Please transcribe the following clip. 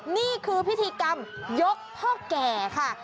นี่คือพิธีกรรมยกพ่อแก่ค่ะ